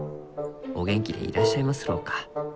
お元気でいらっしゃいますろうか？